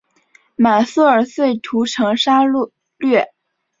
满速儿遂屠城杀掠。